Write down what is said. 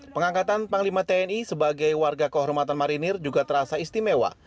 pengangkatan panglima tni sebagai warga kehormatan marinir juga terasa istimewa